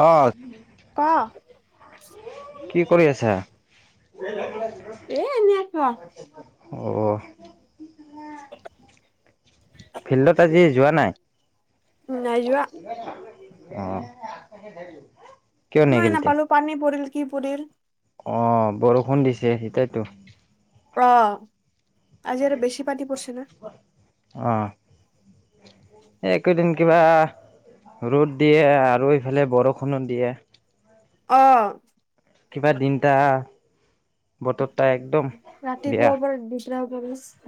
অ', ক কি কৰি আছা? এ, এনে আছোঁ। অ'। [inaudible] ফিল্ডত আজি যোৱা নাই? নাই যোৱা। অ'। কিয় সময় নেগেলতে? নাপালোঁ, পানী পৰিল, কি পৰিল। অ' বৰষুণ দিছে সেইটোৱেটো। অ'। অ'। এ, এইকেইদিন কিবা ৰ'দ দিয়ে আৰু এইফালে বৰষুণো দিয়ে। অ'। কিবা দিনটা বতৰটা একদম বেয়া ৰাতিপুৱাৰ পৰা [unintelligible]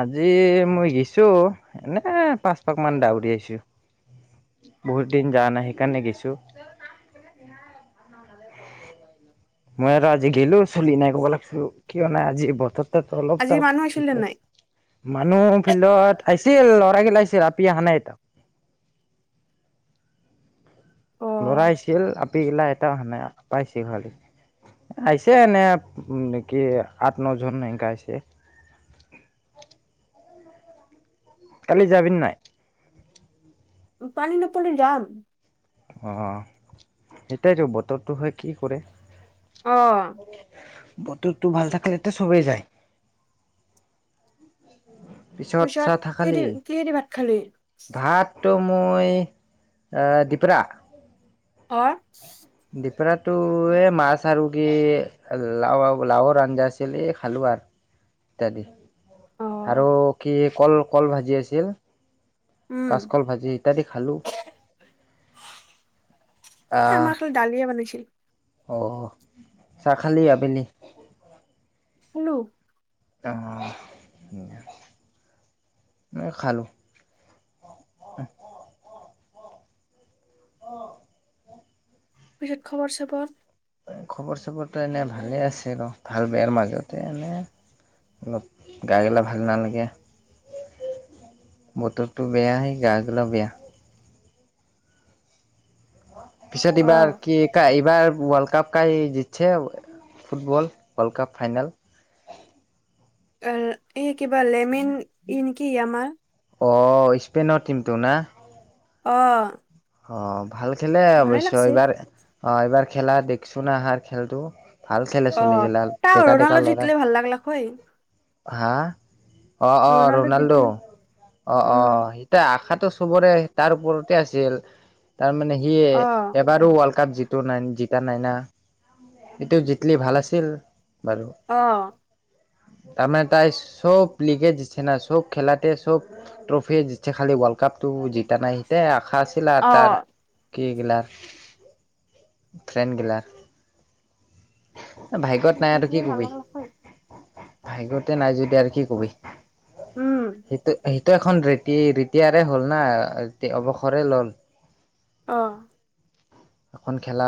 আজি মই গিছোঁ, এনে পাঁচ পাক মান দাউৰি আহিছোঁ। বহুত দিন যোৱা নাই সেইকাৰণে গৈছোঁ। মই আৰু আজি গেলো চলি নাই ক'ব লাগছোঁ কিয় নাই আজি বতৰটো অলপ তাপ ঠিকে আছে। মানুহ ফিল্ডত আহিছিল, ল'ৰাগিলা আহিছিল, আপি আহা নাই এটাও। ল'ৰা আহিছিল, আপি গিলা এটাও আহা নাই, পাইছি খালি। আহিছে এনে নেকি আঠ নজন এনেকা আহিছে। কালি যাবিনে নাই? পানী নাপালে যাম। অ' সেইটোৱেটো বতৰটো হয় কি কৰে। অ'। বতৰটো ভাল থাকিলেতো চবেই যায়। পিছত চাহ থাকালি কিহেদি কিহেদি ভাত খালি? ভাতটো মই দিপৰা। অৰ? দিপৰাটো এ, মাছ আৰু কি লাও লাওৰ আঞ্জা আছিল এই খালোঁ আৰ ইত্যাদি। আৰু কি কল কল ভাজি আছিল, কাচকল ভাজি ইত্যাদি খালোঁ। আহ আমাৰতো ডালিয়ে বনাইছিল। অ', চাহ খালি আবেলি? খালোঁ। অ' মই খালোঁ। পিছত খবৰ চবৰ? খবৰ চবৰটো এনে ভালে আছিল আৰু, ভাল বেয়াৰ মাজতে এনে। অলপ গা গিলা ভাল নালাগে। বতৰটো বেয়া, হে গা গিলাও বেয়া। পিছত এইবাৰ কিক কা এইবাৰ ৱৰ্ল্ডকাপ কাই জিতছে, ফুটবল ৱৰ্ল্ড কাপ ফাইনাল? এ, এই কিবা লেমেন ই নেকি য়ামাৰ। অ' স্পেইনৰ টীমটো না? অ। অ ভাল খেলে অৱশ্যে এইবাৰ অ এইবাৰ খেলা দেখিছো নহয় খেলটো। ভাল খেলে চলিগেলা ডেকা ডেকা ল'ৰা। হা অ অ ৰনাল্ডো অ অ তা আশাটো চবৰে তাৰ ওপৰতে আছিল তাৰমানে সিয়ে এবাৰো ৱৰ্ল্ড কাপ যিটো নাই জিতা নাই না এইটো জিতলি ভাল আছিল বাৰু। অ। তাৰমানে তাই চব লিগে দিছে না চব খেলাতে চব ট্ৰফিয়ে জিতিছে খালি ৱৰ্ল্ড কাপটো জিতা নাই তে আশা আছিল আ তাৰ কি গিলা ফ্ৰেণ্ড গিলা ভাগ্যত নাই আৰু কি কবি। ভাগ্যতে নাই যদি আৰু কি কবি সেইটো সেই ত এখন ৰি কি বিতিয়াৰে হ'ল না কি অৱসৰে ল'ল অহ এখন খেলা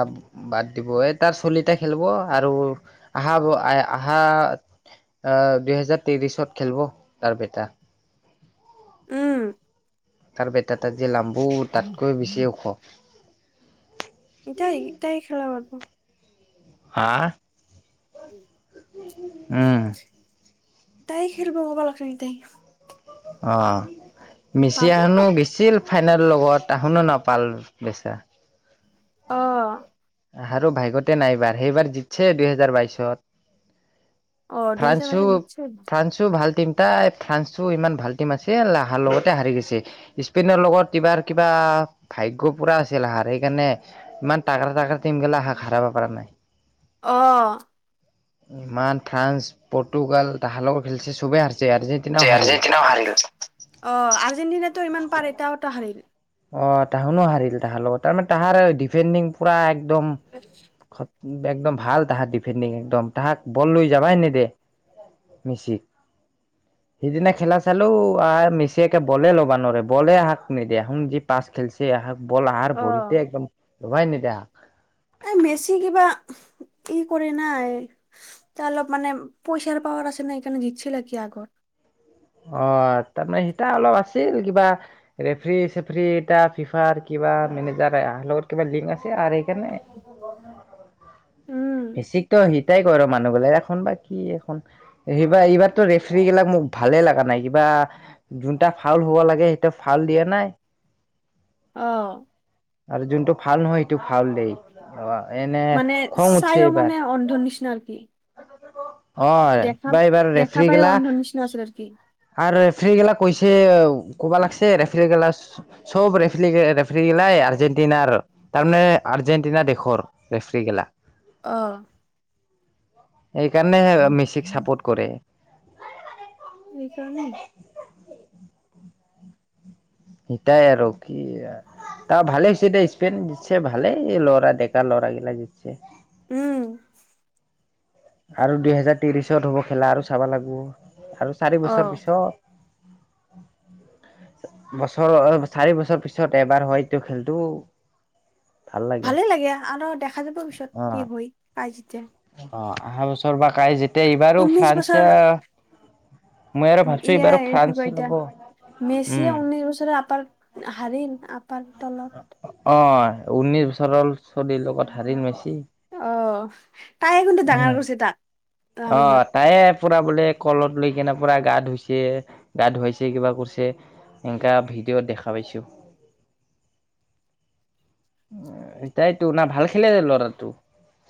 বাদ দিব এই তাৰ চলিটা খেলিব আৰু আহা ব আহা অ দুহেজাৰ তিৰিশত খেলিব তাৰ বেটা। উম তাৰ বেটাতা যে লাম্বু তাতকৈ বেছি ওখ। ইটাই ইটাই খেলা পাৰিব। হা? [inaudible] উম তাই খেলিব ক'ব লাগছিলে এতাই অহ মিচি আহনো বিছিল ফাইনেল লগত এখনো নাপাল বেচেৰা। অহ আহাৰো ভাইগতে নাই বাৰ সেইবাৰ জিতছে দুইহেজাৰ বাইশত। ফ্ৰান্সো ফ্ৰান্স টো ভাল টিম টাই ফ্ৰান্সো ইমান ভাল টিম আছিল লাহাৰ লগতে হাৰি গৈছে। স্পেইনৰ লগত কিবাৰ কিবা ভাগ্য পুৰা আছিল হাৰা সেইকাৰণে ইমান টাগৰা টাগৰা টিম গিলা সেয়াক হাৰাব পৰা নাই। অঁ ইমান ফ্ৰান্স পৰ্তুগাল তাহাৰ লগত খেলিছে চবেই হাৰছে আৰ্জিন যে আৰ্জেণ্টিনাও হাৰি গৈছে অ আৰ্জেন্টিনাটো ইমান পাৰে এটাওটা হাৰিল অ তাহোনো হাৰিল তাহাৰ লগত তাৰমানে তাহাৰ ডিফেণ্ডিং পুৰা একদম আচ্ছা। একদম ভাল তাহাৰ ডিফেণ্ডিং একদম তাহাক বল লৈ যাবাই নে দে। মেচিক সিদিনা খেলা চালো আহ মেচিয়ে একে বলে ল'বা নোৱাৰে বলে হাক নিদিয়ে শু পাচ খেলছে বল হাৰ ভৰিতে একদম লবাই নে দা এই মেচি কিবা ই কৰে না তাৰ অলপ মানে পইচাৰ পাৱাৰ আছে ন সেইকাৰণে জিতছিল কি আগত। অ তাৰমানে সিতা অলপ আছিল কিবা ৰেফ্ৰি চেফ্ৰি ইটা ফিফাৰ কিবা মেনেজাৰ লগত কিবা লিংক আছে আৰু সেইকাৰণে মেছিকতো হিটাই কৰে মানুহ বিলাই এখন বা কি এখন সেইবা এইবাৰতো ৰেফৰী গিলাক মোক ভালে লাগা নাই কিবা যোনটা ফাউল হ'ব লাগে সেইটো ফাউল দিয়া নাই। অ'। আৰু যোনটো ফাউল নহয় সেইটো ফাউল দেই, অ', এনে খং উঠ মানে অন্ধ নিচিনাৰ নেকি? অ', দেখা, কিবা এইবাৰ দেখা ৰেফ্ৰি পাইও গিলা অন্ধ নিচিনা আছিলে আৰকি আৰু ৰেফাৰী গেলাক কৈছে ক'বা লাগিছে, ৰেফাৰী গেলাক চব ৰেফলি, ৰেফ গিলাই আৰ্জেণ্টিনাৰ তাৰমানে আৰ্জেণ্টিনা দেশৰ ৰেফ্ৰী গেলা অ'। সেইকাৰণেহে মেচিক চাপোৰ্ট কৰে। এইকাৰণেই। ইটাই আৰু কি তাৰ ভালে হৈছে দে স্পেইন জিতছে ভালে ল'ৰা ডেকা ল'ৰা গিলা জিতছে। উম। আৰু দুহেজাৰ ত্ৰিশত হ'ব খেলা, আৰু চাব লাগিব আৰু চাৰি বছৰ পিছত। [unintelligible] বছৰৰ চাৰি বছৰ পিছত এবাৰ হয়টো খেলতো ভালে লাগে আনৰ দেখা যাব পিছত অ'। কি হয় কাই জিটে। অ', আহা বছৰ বা কাই জিটে, এইবাৰো ফ্ৰান্সে মই আৰু ভাবছো এইবাৰো ইআই কি ফ্ৰান্স কয় এটিয়া ল'ব মেচিয়ে ঊনৈশ বছৰে আপাৰ হাৰিল আপাৰ তলত অ', ঊনিশ বছৰৰ চলিৰ লগত হাৰিল মেচি। অ', তাইয়ে কিন্তু ডাঙৰ কৰছি তাক। অ'। তায়ে পুৰা বোলে কলত লৈ কিনে পুৰা গা ধুইছে, গা ধুৱাইছে কিবা কৰিছে। এনেকা ভিডিঅ' দেখা পাইছোঁ। উ তাইতো না ভাল খেলে যে ল'ৰাটো।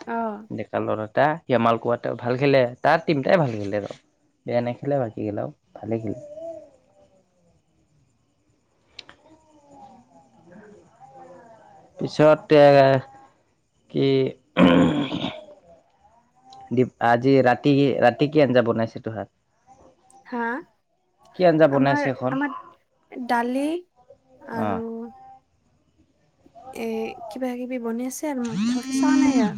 অ'। ডেকা ল'ৰাটা শামাল কোৱা ভাল খেলে, তাৰ টিমটাই ভাল খেলে ৰ'। বেয়া নেখেলে বাকী গেলাওঁ ভালেই খেলে। পিছত কি দি আজি ৰাতি কি, ৰাতি কি আঞ্জা বনাইছে তোহাৰ? হা কি আঞ্জা বনাইছে আমাৰ, এখন আমাৰ দালি অ আৰু এ কিবা কিবি বনে আছে আৰু ভালকে চোৱা নাই আৰ।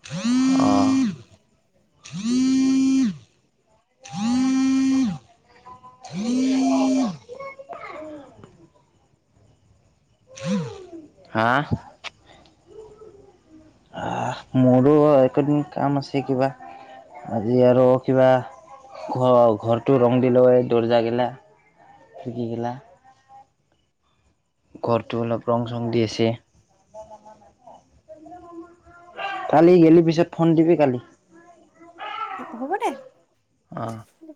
অ'। হ হ [unintelligible] হা মোৰো এইকেদিন কাম আছে কিবা। আজি আৰু কিবা ঘ-ঘৰটো ৰং দিলো হয় দৰ্জাগিলা। খিৰকি গিলা। ঘৰটো অলপ ৰং চং দি আছে। ন ন [unintelligible] কালি গেলি পিছত ফোন দিবি কালি। অ হ'ব দে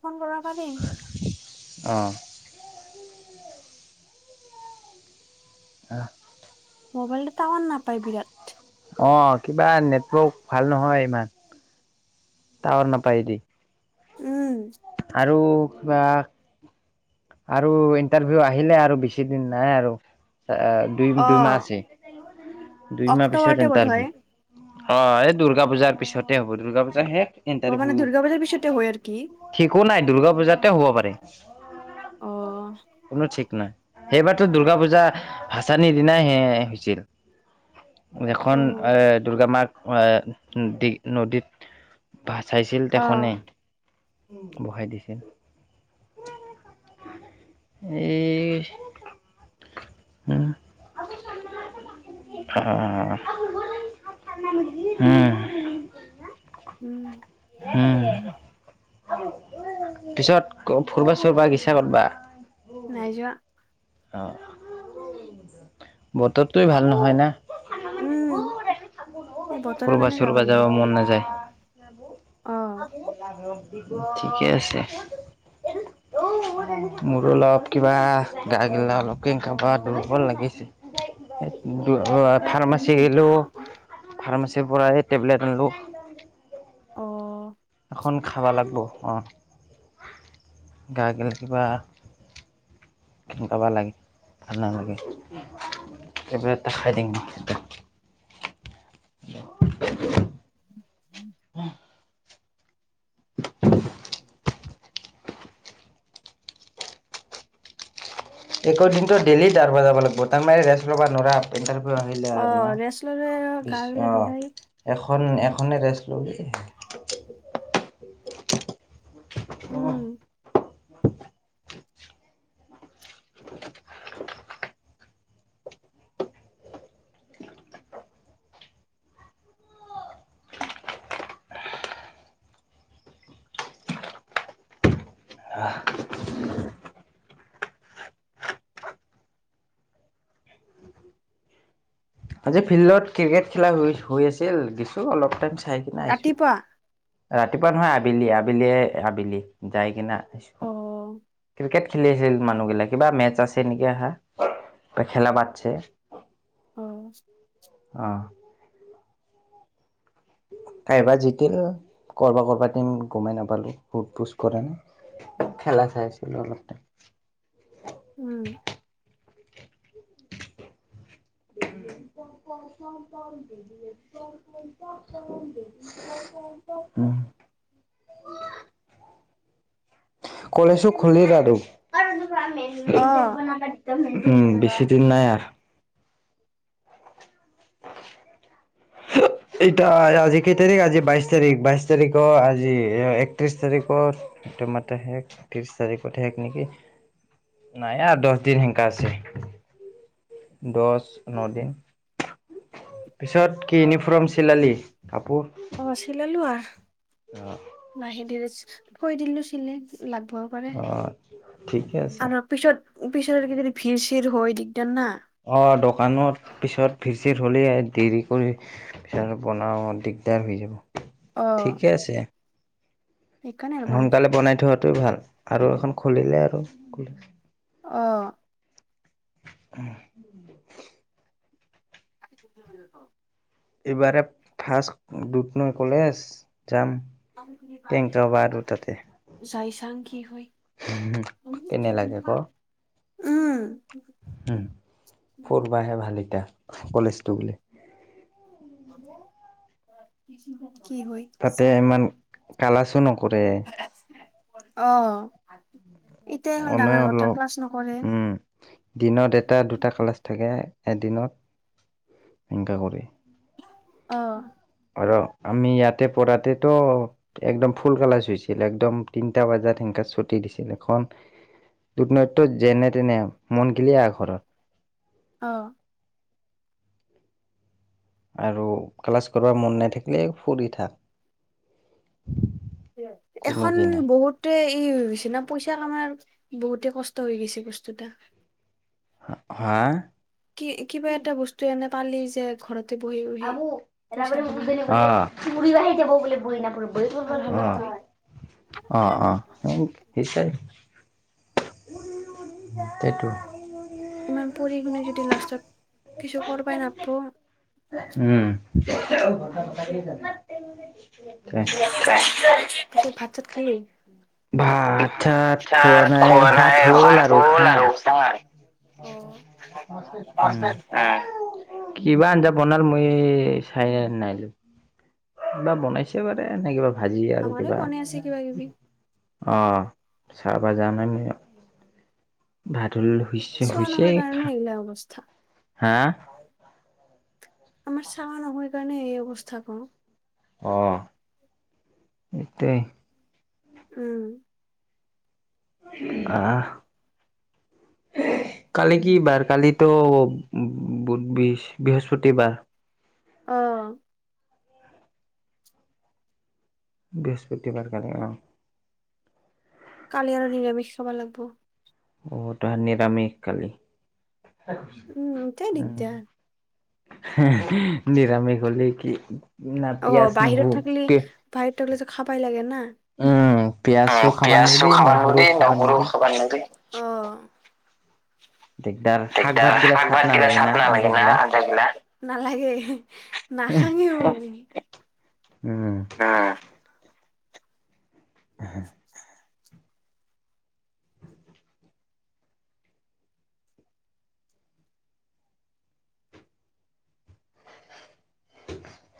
ফোন কৰাৰ পা দিম [unintelligible] অ' আহ মোবাইলটো টাৱাৰ নাপায় বিৰাট। অ' কিবা নেটৱৰ্ক ভাল নহয় ইমান টাৱাৰ নাপায় দি। উম আৰু কিবা আৰু ইণ্টাৰভিউ আহিলে আৰু বেছি দিন নাই আৰু। দুই দুইমাহ আছে, দুইমাহ পিছত ইণ্টাৰভিউ। অ' এই দুৰ্গা পূজাৰ পিছতে হ'ব দুৰ্গা পূজা শেষ অ' ইণ্টাৰভিউ মানে দুৰ্গা পূজাৰ পিছতে হয় আৰ কি ঠিকো নাই দূৰ্গা পূজাতে হ'ব পাৰে কোনো ঠিক নাই সেইবাৰতো দুৰ্গা পূজা ভচানিৰ দিনাই সে হৈছিল। এখন এ দুূৰ্গা মাক আহ দি নদীত ভচাইছিল তেখনে বহাই দিছিল এই অ [inaudible] হম উম উম পিছত ফুৰিবা চুৰবা গিছা কৰতবা নাই যোৱা অ বতৰটোৱে ভাল নহয় না ফুৰ্বা সূৰ্বা যাব মন নাযায়। আহ আহ ঠিকে আছে মোৰো অলপ কিবা গাই গিলা অলপকে কাৰাবাৰ দুৰ্বল লাগিছে। ফাৰ্মাচী গিলো ফাৰ্মাচীৰ পৰাই টেবলেট আনিলো। অ এখন খাব লাগিব অঁ গা গেল কিবা কব লাগে ভাল নালাগে। টেবলেট এটা খাই দিম ন [unintelligible] অ [inaudible] একৌ দিনটো ডেলহি ডাৰ বজাব লাগিব তাৰ মানে ৰেষ্ট ল'ব নোৱাৰা ইটাৰভিউ আহিল আৰু ন ইষ্ট ৰাম। এখন এখনে ৰেষ্ট ল'গ তত [inaudible] উম [inaudible] আহ আজি ফিল্ডত ক্ৰিকেট খেলা হৈ আছিল গীছো অলপ টাই চাই কিনে আহিছো। ৰাতিপুৱা নহয় আবেলি আবেলিয়ে আবেলি যাই কিনা আহিছো। খেলি আছিল মানুহগিলাক কিবা মেচ আছে নেকি আহাঁ খেলা পাদছে অ আহ। কাইবা জিকিলও কৰবা কৰবাত টিম গমাই নাপালো সোধ পোজ কৰা। খেলা চাইছিলো অলপ টাইম। উমঁ! [unintelligible] উমঁ! কলেজো খুলিল আৰু। উমঁ বেছি দিন নাই আৰ সা এইট। তাই আজি কেই তাৰিখ আজি বাইশ তাৰিখ বাইশ তাৰিখৰ আজি একত্ৰিশ তাৰিখৰ- এতোমাৰতে শেষ ত্ৰিশ তাৰিখত শেষ নেকি? নাই আও দহ দিন হেনকা আছে। দহ ন দিন। পিছত কি ইউনিফৰ্ম চিলালি কাপোৰ। অঁ চিলালোঁ আৰ। অঁ! নাহে ধৰে কৈ দিলোছিলে লাগিবও পাৰে অ ঠিকে আছে আৰু্ পিছত পিছত কি যদি ভিৰ চিৰ হয় দিকদাৰ না। অঁ দোকানত পিছত ভিৰ চিৰ হ'লে দেৰি কৰি- পিছে আৰু বনাও দিগদাৰ হৈ যাব ঠিকে আছে- সোনকালে বনাই থোৱাটা ভাল আৰু এখন খুলিলে আৰু- অঁ! উমঁ! আহিবি বুলি ক'হ। এইবাৰে ফাৰ্ষ্ট দুতনৈ কলেজ যাম। আমি শুনি পাইছোয়ে কেংকাবাৰো তাতে যাইচাং কি হয়। কেনে লাগে উমঁ! উমঁ ফৰবাহে ভাল এটাা কলেজটো বোলে। কি হয়-। তাতে ইমান কালাছো নকৰে- অঁ এতিয়া হ'ল অনে ডাঙৰ কথা অলপ ক্লাছ নকৰে- উম, দিনত এটা দুটা ক্লাছ থাকে এদিনত সনেকা কৰি। অঁ! আৰু আমি ইয়াতে পৰঢ়াতেতো- একদম ফুল কালাৰাজ হৈছিল একদম তিনটা বজাত সেনেক ছটি দিছিল এখন- দুত নৈত্য যেনে তেনে মন কিলিয় এখনত অঁ! আৰু ক্লাছ কৰিচ্ছমন নাই থাকিলে ফুৰি ঠাক- এখন বহুত- ত ই হৈ গৈছে না পইচা কামাৰ বহুতে কষ্ট হৈ গৈছে বস্তুতটা- হা- কি কিবা এটা বস্তু এনে পালি যে ঘৰত--্ আবু এ ব বজৰি বা আহি যাব বোলে বুৰি বাই জাব অঁ, অঁ সেইটো- ইমান পঢ়ি শুনি যদি লাষ্টত কিছু কৰবাই নাপব [inaudible] ভাত ছাত খালি? ভাত ছাত খুৱা নাই ভাত হ'ল আৰু অ', খাং উম, উম, কিবা আঞ্জা বনাল মই চাই নাইলো কিবা বনাইছে মানে কিবা ভাজি আৰু কিবা অ', চাবা জানানে ভাত হল হৈছে হৈছে। বোলে অৱস্থা হাঁ আমাৰ চাৱা নহয় কাৰণে এই অৱস্থা ক। অ', সেইটোৱেই। উম, আহ কালি কি বাৰ কালিতো বোধ বৃহ বৃহস্পতিবাৰ। অ' বৃহস্পতিবাৰ কাৰণে অ' কালি আৰু নিৰামিষ খাবা লাগব। অ তই নিৰামিষ খালি? উম, নিৰামিষ বুলি কি না পিয়াজ নহৰু পেষ্ট ভাইট থাকলে যে খাবাই লাগে না উম অ পিয়াজো খাবা পিয়াজো নোৱাৰি খাব নালগে নহৰু দি খাবা নহৰুো নোৱাৰি খাব নালগে অ দিগদাৰ শাক ভাত দাৰ গিলা আগ চাত ভাত গিলা নালাগে না চাত ন আঞ্জা লাগে ন গিলা আধা গিলা নালাগে [unintelligible] নাখাঙে মই। উম হয় উম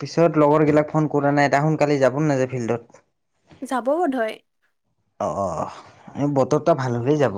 পিছত লগৰ গিলাক ফোন কৰা নাই এতিয়া সোনকালে যাব নাযায় ফিল্ডত? যাব ওধয়। অ অ অ এ বতৰটা ভাল হলে যাব।